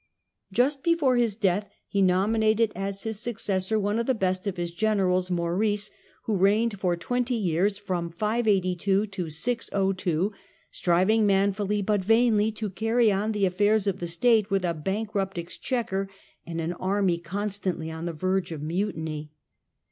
Just before his death he nominated as his successor one of the best of his generals, Maurice, who reigned for twenty years (582 602), striving manfully but vainly to carry on the affairs of the State with a bankrupt exchequer and an army constantly on the verge of mutiny.